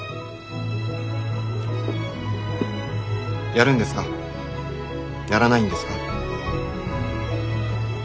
やるんですかやらないんですか。